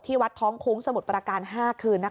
ที่วัดท้องคุ้งสมุดประการ๕คืนนะคะ